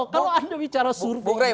kalau anda bicara survei